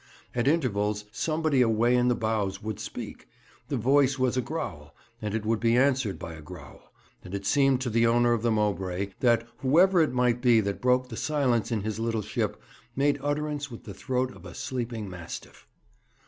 At intervals somebody away in the bows would speak. The voice was a growl, and it would be answered by a growl, and it seemed to the owner of the Mowbray that, whoever it might be that broke the silence in his little ship, made utterance with the throat of a sleeping mastiff.